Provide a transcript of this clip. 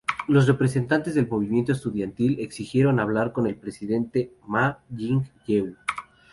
Los representantes del movimiento estudiantil exigieron hablar con el presidente Ma Ying-jeou.